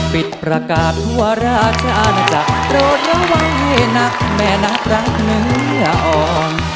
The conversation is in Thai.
ปิดประกาศทั่วราชานาจทั่วโปรดไปไว้นักแม้นักรักนืออ่อม